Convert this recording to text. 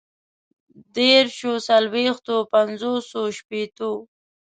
ديرشو، څلويښتو، پنځوسو، شپيتو